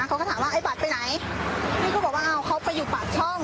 เขาก็ถามว่าไอ้บัตรไปไหนพี่ก็บอกว่าเอาเขาไปอยู่ปากช่อง